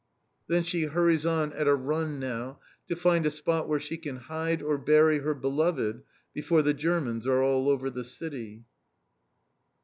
Then she hurries on, at a run now, to find a spot where she can hide or bury her beloved before the Germans are all over the city.